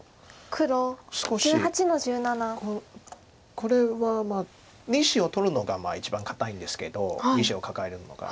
これは２子を取るのが一番堅いんですけど２子をカカえるのが。